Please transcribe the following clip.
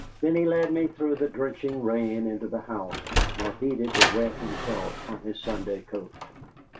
Then he led me through the drenching rain into the house, nor heeded the wet himself on his Sunday coat.